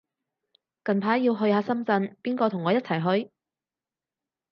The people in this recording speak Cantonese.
近排要去下深圳，邊個同我一齊去